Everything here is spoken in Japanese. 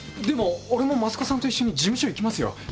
でも俺も益子さんと一緒に事務所行きますよ。